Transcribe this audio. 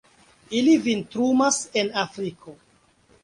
Ili vintrumas en Afriko.